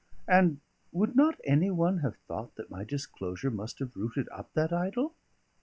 And would not any one have thought that my disclosure must have rooted up that idol?